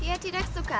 dia tidak suka